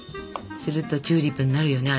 するとチューリップになるよね